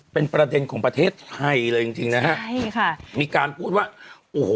เป็นประเด็นของประเทศไทยเลยจริงจริงนะฮะใช่ค่ะมีการพูดว่าโอ้โห